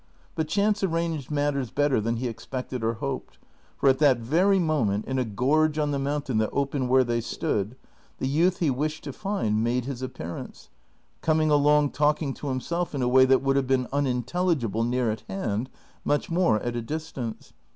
But chance ar ranged matters better than he expected or hoped, for at that very moment, in a gorge on the mountain that opened where they stood, the youth he wished to find made his appearance, coming along talking to himself in a way that would have been unintelligible near at hand, much more at a distance.